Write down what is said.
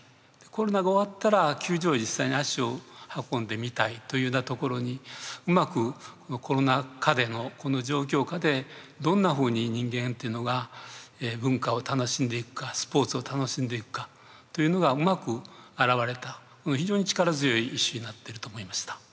コロナが終わったら球場へ実際に足を運んでみたいというようなところにうまくコロナ禍でのこの状況下でどんなふうに人間っていうのが文化を楽しんでいくかスポーツを楽しんでいくかというのがうまく表れた非常に力強い一首になっていると思いました。